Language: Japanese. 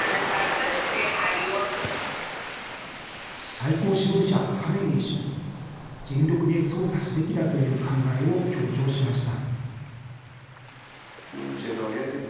最高指導者ハメネイ師も全力で捜査すべきだという考えを強調しました。